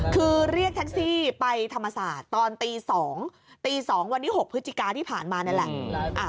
คือเรียกแท็กซี่ไปธรรมศาสตร์ตอนตี๒ตี๒วันที่๖พฤศจิกาที่ผ่านมานี่แหละ